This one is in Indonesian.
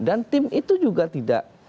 dan tim itu juga tidak